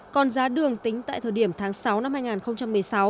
còn giá đường tính tại thời điểm tháng sáu năm hai nghìn một mươi sáu